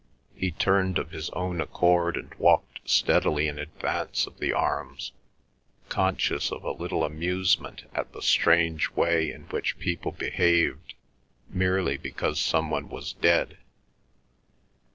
He turned of his own accord and walked steadily in advance of the arms, conscious of a little amusement at the strange way in which people behaved merely because some one was dead.